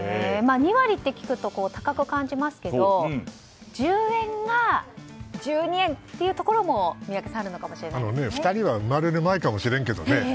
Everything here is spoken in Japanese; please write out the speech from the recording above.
２割と聞くと高く感じますけど１０円が１２円っていうところもあるのかもしれないですね